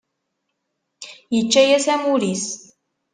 Yečča-yas amur-is.